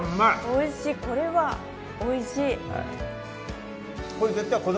おいしいこれはおいしい！